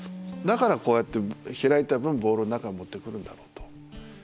だからこうやって開いた分ボールを中へ持ってくるんだろうと。